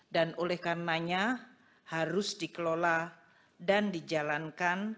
oleh karenanya harus dikelola dan dijalankan